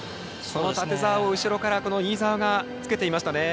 館澤を、後ろから飯澤がつけていきましたね。